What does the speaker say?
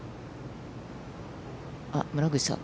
あっ、村口さん。